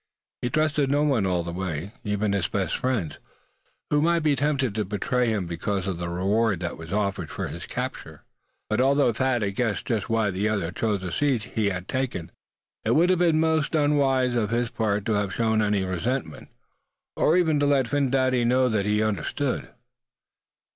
He trusted no one all the way, even his best friends, who might be tempted to betray him because of the reward that was offered for his capture. But although Thad had guessed just why the other chose the seat he had taken, it would have been most unwise on his part to have shown any resentment; or even to let Phin Dady know that he understood.